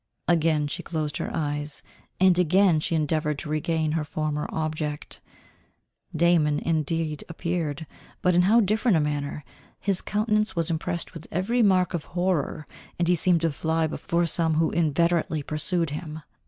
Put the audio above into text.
Again she closed her eyes, and again she endeavoured to regain her former object. Damon indeed appeared, but in how different a manner! his countenance was impressed with every mark of horror, and he seemed to fly before some who inveterately pursued him.